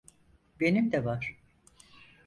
Benim de var.